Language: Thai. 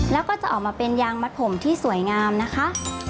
แล้วก็จะออกมาเป็นยางมัดผมที่สวยงามนะคะ